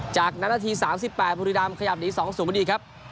จากนั้นนาที๓๘บุรีรำขยับหนี๒๐พอดีครับ